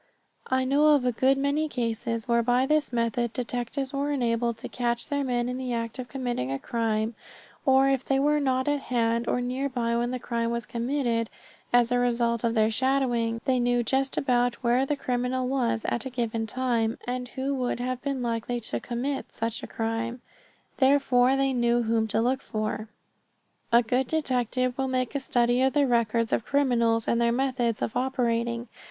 I know of a good many cases where by this method detectives were enabled to catch their men in the act of committing a crime, or if they were not on hand or nearby when the crime was committed, as a result of their shadowing they knew just about where the criminal was at a given time and who would have been likely to commit such a crime; therefore they knew whom to look for. A good detective will make a study of the records of criminals and their methods of operating.